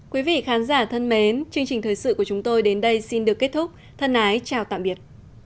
quý vị khán giả thân mến chương trình thời sự của chúng tôi đến đây xin được kết thúc thân ái chào tạm biệt